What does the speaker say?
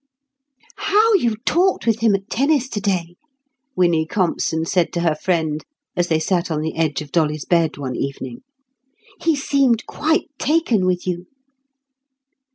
"How you talked with him at tennis today!" Winnie Compson said to her friend, as they sat on the edge of Dolly's bed one evening. "He seemed quite taken with you."